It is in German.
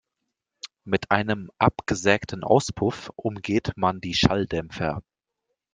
Mit einem absägten Auspuff umgeht man die Schalldämpfer.